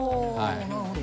なるほど。